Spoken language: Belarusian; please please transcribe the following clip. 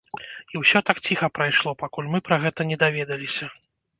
І ўсё так ціха прайшло, пакуль мы пра гэта не даведаліся.